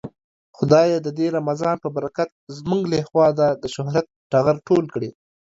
خدايه د دې رمضان په برکت زمونږ له هيواده د شهرت ټغر ټول کړې.